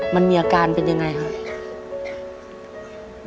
มันมีอาการเป็นยังไงครับ